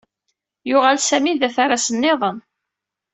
Yuɣal Sami d aterras niḍen.